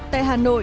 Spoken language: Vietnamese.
tại hà nội